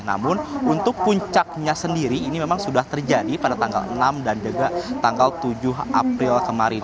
namun untuk puncaknya sendiri ini memang sudah terjadi pada tanggal enam dan juga tanggal tujuh april kemarin